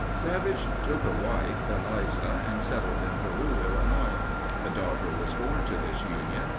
Savage took a wife, Eliza, and settled in Peru, Illinois. A daughter was born to this union.